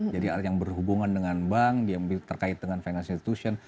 jadi yang berhubungan dengan bank yang terkait dengan financial institution